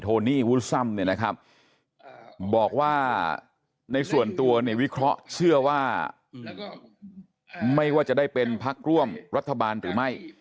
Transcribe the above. โทนี่วูลซ่ำบอกว่าในส่วนตัววิเคราะห์เชื่อว่าไม่ว่าจะได้เป็นภักร์ร่วมรัฐบาลหรือไม่